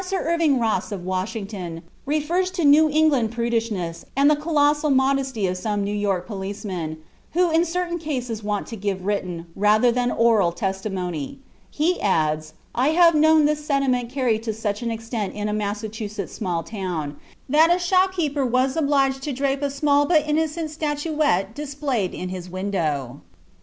Prof. Irving Rosse, of Washington, refers to "New England prudishness," and "the colossal modesty of some New York policemen, who in certain cases want to give written, rather than oral testimony." He adds: "I have known this sentiment carried to such an extent in a Massachusetts small town, that a shop keeper was obliged to drape a small, but innocent, statuette displayed in his window."